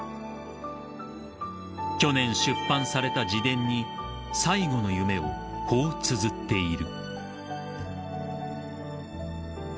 ［去年出版された自伝に最後の夢をこうつづっている］